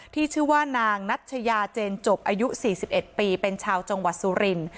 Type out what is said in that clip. ชื่อว่านางนัชยาเจนจบอายุ๔๑ปีเป็นชาวจังหวัดสุรินทร์